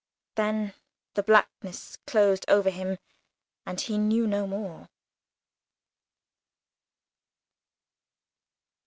Then the blackness closed over him and he knew no more.